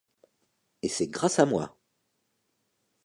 Et c'est grâce à moi.